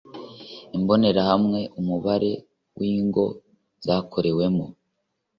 Imbonerahamwe Umubare w ingo zakorewemo